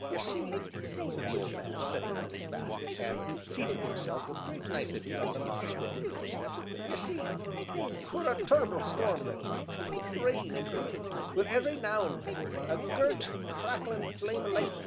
Ye see," said the old man, setting down his basket, and seating himself with great nicety on the moss grown doorstep, "ye see, 't were a tur'ble storm that night rain, and wind, wi' every now an' then a gert, cracklin' flame o' lightnin'.